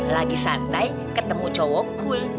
lagi santai ketemu cowok cool